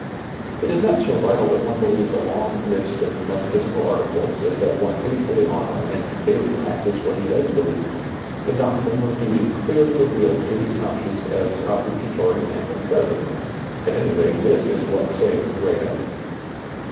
It is not so vital that one believes a long list of metaphysi cal articles as that one &ithfully honor and daily practise what he does believe — the doctrine or duty clearly revealed to his conscience as obliga tory and imperative ; at any rate this is what saved Rahab.